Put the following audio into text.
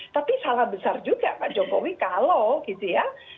tapi salah besar juga pak jokowi kalau gitu ya